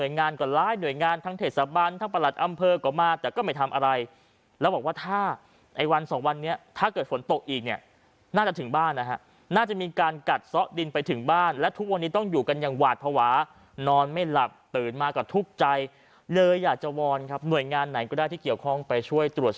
งานก็หลายหน่วยงานทั้งเทศบาลทั้งประหลัดอำเภอก็มาแต่ก็ไม่ทำอะไรแล้วบอกว่าถ้าไอ้วันสองวันนี้ถ้าเกิดฝนตกอีกเนี่ยน่าจะถึงบ้านนะฮะน่าจะมีการกัดซ่อดินไปถึงบ้านและทุกวันนี้ต้องอยู่กันอย่างหวาดภาวะนอนไม่หลับตื่นมาก็ทุกข์ใจเลยอยากจะวอนครับหน่วยงานไหนก็ได้ที่เกี่ยวข้องไปช่วยตรวจส